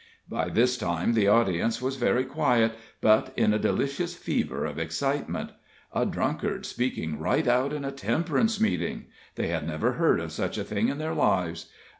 By this time the audience was very quiet, but in a delicious fever of excitement. A drunkard speaking right out in a temperance meeting! they had never heard of such a thing in their lives.